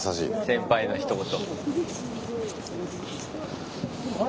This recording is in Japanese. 先輩のひと言。